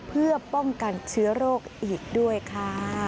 เพื่อป้องกันเชื้อโรคอีกด้วยค่ะ